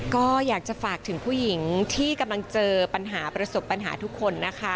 ก็อยากจะฝากถึงผู้หญิงที่กำลังเจอปัญหาประสบปัญหาทุกคนนะคะ